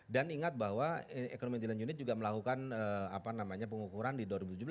dan ingat bahwa ekonomi intelijen unit juga melakukan pengukuran di dua ribu tujuh belas